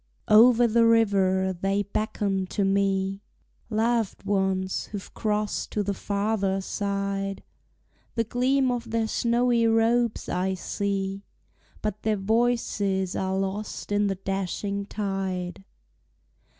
Over the river they beckon to me, Loved ones who've crossed to the farther side, The gleam of their snowy robes I see, But their voices are lost in the dashing tide.